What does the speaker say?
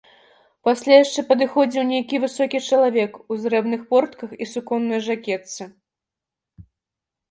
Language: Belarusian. Пасля яшчэ падыходзіў нейкі высокі чалавек у зрэбных портках і суконнай жакетцы.